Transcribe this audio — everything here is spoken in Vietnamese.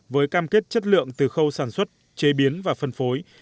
với cam kết chất lượng từ khâu sản xuất chế biến và phân phối